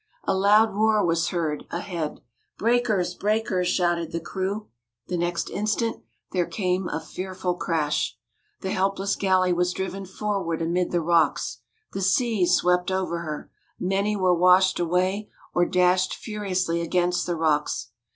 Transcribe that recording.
A loud roar was heard ahead. "Breakers! breakers!" shouted the crew. The next instant there came a fearful crash. The helpless galley was driven forward amid the rocks. The seas swept over her. Many were washed away, or dashed furiously against the rocks.